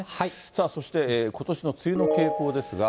さあ、そしてことしの梅雨の傾向ですが。